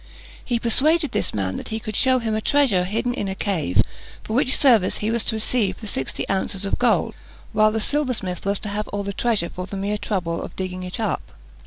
He persuaded this man that he could shew him a treasure hidden in a cave, for which service he was to receive the sixty ounces of gold, while the silversmith was to have all the treasure for the mere trouble of digging it up.